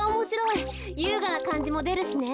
ゆうがなかんじもでるしね。